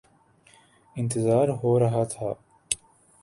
انتظار ہو رہا تھا